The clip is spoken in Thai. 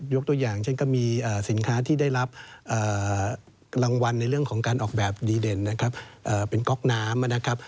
ตัวอย่างเช่นก็มีสินค้าที่ได้รับรางวัลในเรื่องของการออกแบบดีเด่นนะครับเป็นก๊อกน้ำนะครับ